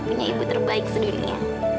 punya ibu terbaik sedunia